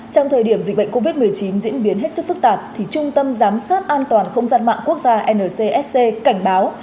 trong thời điểm dịch bệnh covid một mươi chín diễn biến hết sức phức tạp trung tâm giám sát an toàn không gian mạng quốc gia ncsc cảnh báo